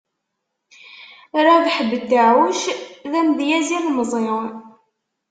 Rabaḥ Bedaɛuc, d amedyaz ilemẓi.